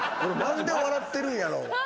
何で笑ってるんやろう？